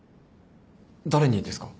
誰にですか？